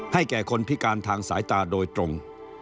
แก่คนพิการทางสายตาโดยตรง